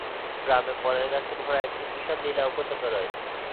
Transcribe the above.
গ্রামে ফলের গাছে ভরা একটি বিশাল লীলা উপত্যকা রয়েছে।